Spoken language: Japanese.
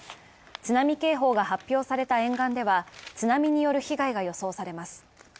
津波警報が発表された沿岸では津波による被害が予想されます。